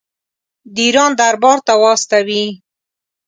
د ایران دربار ته واستوي.